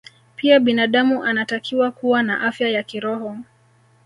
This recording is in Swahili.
Pia binadamu anatakiwa kuwa na afya ya kiroho